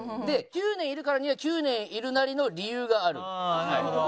で９年いるからには９年いるなりの理由がある。